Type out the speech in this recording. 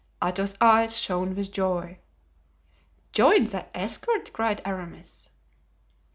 Athos's eyes shone with joy. "Join the escort!" cried Aramis.